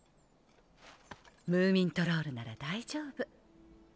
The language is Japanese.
ムーミントロールなら大丈夫。